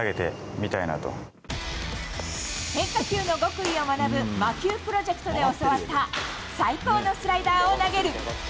変化球の極意を学ぶ魔球プロジェクトで教わった最高のスライダーを投げる。